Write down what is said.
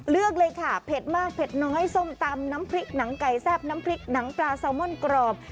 เลือกเลยค่ะเผ็ดมากเผ็ดน้อยส้มตำน้ำพริกหนังไก่แซ่บน้ำพริกหนังปลาแซลมอนกรอบ